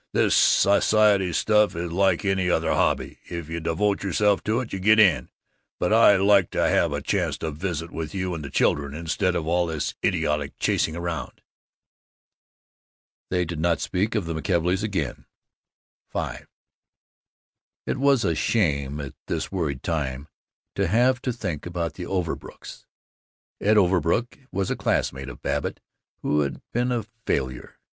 This society stuff is like any other hobby; if you devote yourself to it, you get on. But I like to have a chance to visit with you and the children instead of all this idiotic chasing round." They did not speak of the McKelveys again. V It was a shame, at this worried time, to have to think about the Overbrooks. Ed Overbrook was a classmate of Babbitt who had been a failure.